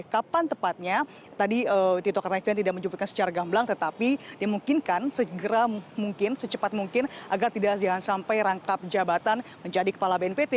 kapan tepatnya tadi tito karnavian tidak menyebutkan secara gamblang tetapi dimungkinkan segera mungkin secepat mungkin agar tidak jangan sampai rangkap jabatan menjadi kepala bnpt